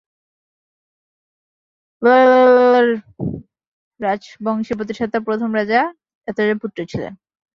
ম্থু-স্তোব্স-র্নাম-র্গ্যাল তিব্বতের গ্ত্সাং-পা রাজবংশের প্রতিষ্ঠাতা ও প্রথম রাজা ঝিগ-শাগ-পা-ত্শে-ব্র্তান-র্দো-র্জের পুত্র ছিলেন।